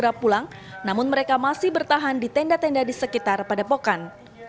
segera pulang namun mereka masih bertahan di tenda tenda di sekitar pada pokan